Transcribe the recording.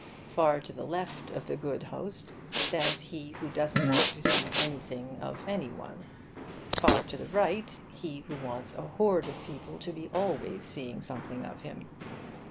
Far to the left of the good host stands he who doesn't want to see anything of any one; far to the right, he who wants a horde of people to be always seeing something of him.